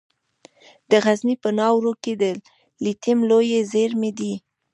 د غزني په ناوور کې د لیتیم لویې زیرمې دي.